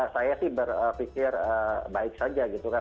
saya sih berpikir baik saja gitu kan